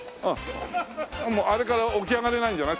あれから起き上がれないんじゃない？